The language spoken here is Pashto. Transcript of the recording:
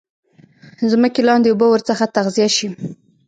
ځمکې لاندي اوبه ورڅخه تغذیه شي.